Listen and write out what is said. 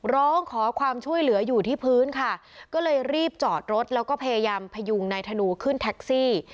ร้องขอความช่วยเหลืออยู่ที่พื้นค่ะก็เลยรีบจอดรถแล้วก็พยายามพยุงนายธนูขึ้นแท็กซี่